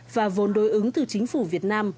và vốn đối ứng từ chính phủ việt nam